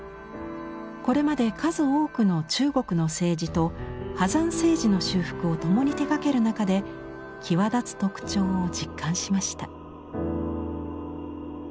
これまで数多くの中国の青磁と波山青磁の修復を共に手がける中で際立つ特徴を実感しました。